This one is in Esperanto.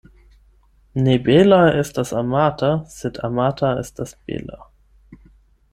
Ne bela estas amata, sed amata estas bela.